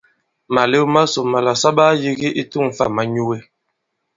Màlew masò màlà sa ɓaa yīgi i tu᷇ŋ fâ ma manyūe.